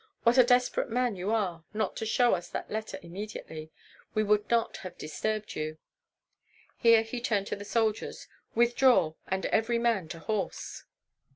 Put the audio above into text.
What a desperate man you are, not to show us that letter immediately! We would not have disturbed you." Here he turned to the soldiers: "Withdraw, and every man to horse!"